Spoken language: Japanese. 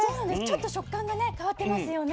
ちょっと食感がね変わってますよね。